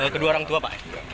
kedua orang tua pak